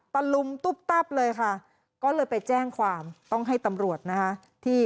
ตะลุมตุ๊บตับเลยค่ะก็เลยไปแจ้งความต้องให้ตำรวจนะคะที่